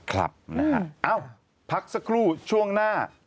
ครับนะฮะเอ้าพักสักครู่ช่วงหน้า